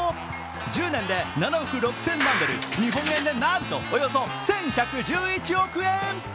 １０年で７億６０００万ドル、日本円でなんと、およそ１１１１億円。